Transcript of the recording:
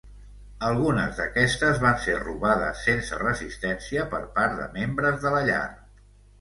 Algunes d'aquestes van ser robades sense resistència per part de membres de la llar.